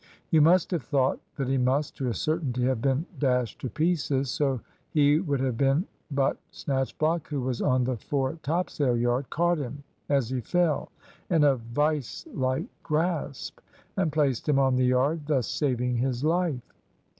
You must have thought that he must, to a certainty, have been dashed to pieces: so he would have been, but Snatchblock, who was on the fore topsail yard caught him as he fell in a vice like grasp, and placed him on the yard, thus saving his life."